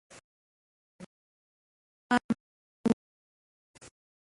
په خپل ژوند یې د ښار مخ نه وو لیدلی